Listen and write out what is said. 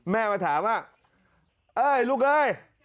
แม่มาถามว่าเอ้ยลูกเอ้ย